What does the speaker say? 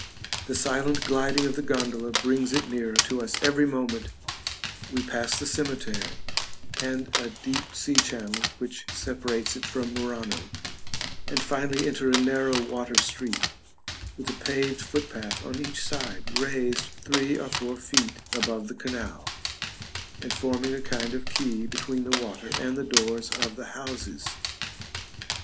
The silent gliding of the gondola brings it nearer to us every moment; we pass the cemetery, and a deep sea channel which separates it from Murano, and finally enter a narrow water street, with a paved footpath on each side, raised three or four feet above the canal, and forming a kind of quay between the water and the doors of the houses.